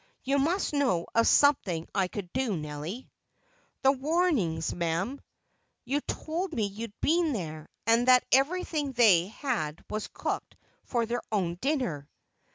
"You must know of something I could do, Nelly!" "The Warings, ma'am—" "You told me you'd been there, and that everything they had was cooked for their own dinner."